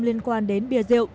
liên quan đến bia rượu